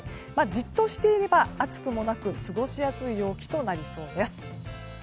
じっとしていれば暑くもなく過ごしやすい陽気となりそう。